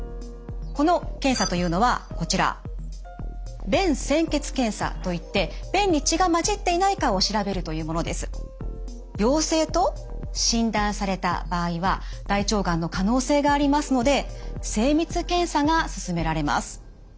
この検査というのはこちら陽性と診断された場合は大腸がんの可能性がありますので精密検査がすすめられます。